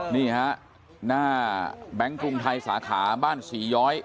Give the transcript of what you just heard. นี่ฮะหน้าแบงค์กรุงไทยสาขาบ้านศรีย้อย